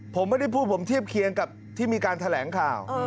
ผมไม่ได้พูดผมเทียบเคียงกับที่มีการแถลงข่าว